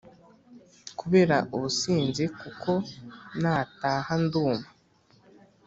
Kubera ubusinzi kuko natahaga nduma